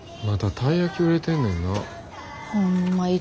まだたい焼き売れてんねんな。